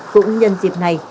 cũng nhân dịp này